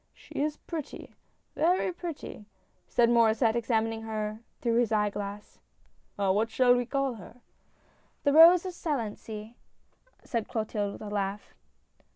" She is pretty, very pretty !" said Maurdsset, exam ining her through his eye glass. " What shall we call her?" " The Rose of Salency," said Clotilde with a laugh.